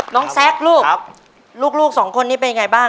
แซ็กลูกลูกสองคนนี้เป็นยังไงบ้าง